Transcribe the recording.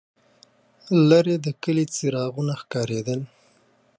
لرې د کلي څراغونه ښکارېدل.